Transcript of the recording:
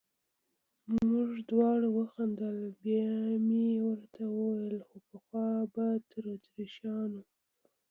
موږ دواړو وخندل، بیا مې ورته وویل: خو پخوا به اتریشیانو.